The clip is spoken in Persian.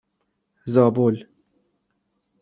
زابل